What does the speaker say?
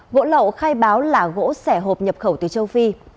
gỗ lậu khai báo là gỗ sẻ hộp nhập khẩu từ châu phi